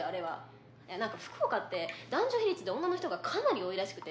「なんか福岡って男女比率で女の人がかなり多いらしくて」